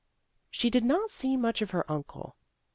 She did not see much of her uncle.